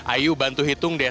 ayo bantu hitung deh